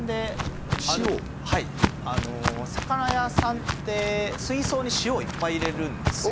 はいあの魚屋さんって水槽に塩をいっぱい入れるんですよ